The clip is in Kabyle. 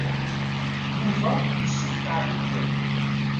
Yuba yessefqaɛ tikwal.